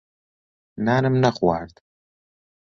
نانم نەخوارد.